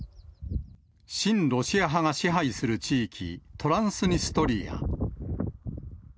親ロシア派が支配する地域、トランスニストリア。